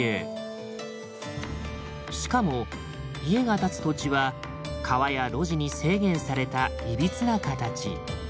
しかも家が建つ土地は川や路地に制限された歪な形。